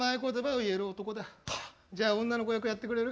はっ！じゃあ女の子役やってくれる？